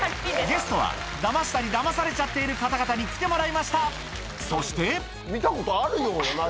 ゲストはダマしたりダマされちゃっている方々に来てもらいましたそして見たことあるようなないような。